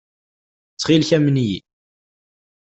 Ttxil-k, amen-iyi.